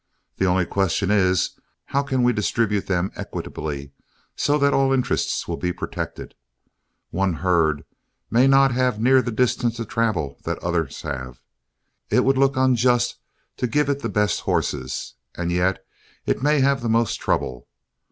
The only question is, how can we distribute them equitably so that all interests will be protected. One herd may not have near the distance to travel that the others have. It would look unjust to give it the best horses, and yet it may have the most trouble.